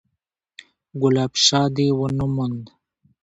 _ګلاب شاه دې ونه موند؟